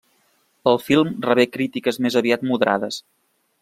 El film rebé crítiques més aviat moderades.